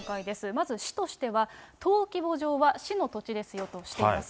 まず市としては、登記簿上は市の土地ですよとしています。